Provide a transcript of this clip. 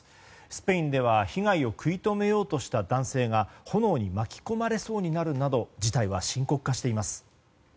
スペインでは被害を食い止めようとした男性が炎に巻き込まれそうになるなど事態は深刻化しています。